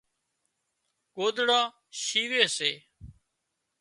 ڳوۮڙان شيوي سي